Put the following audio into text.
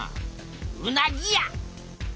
うなぎや！